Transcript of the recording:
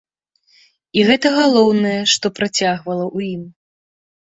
І гэта галоўнае, што прыцягвала ў ім.